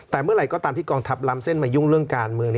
แต่เมื่อไหร่ก็ตามที่กองทัพล้ำเส้นมายุ่งเรื่องการเมือง